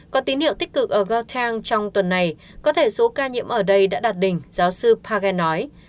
có tín hiệu tích cực ở gothang trong tuần này có thể số ca nhiễm ở đây đã đạt đỉnh giáo sư pagen nói